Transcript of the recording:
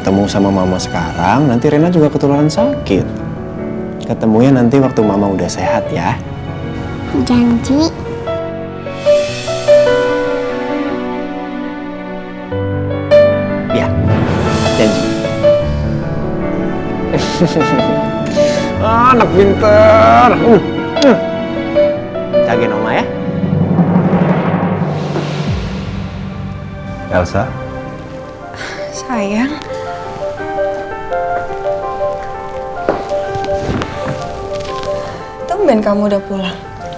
tungguin kamu udah pulang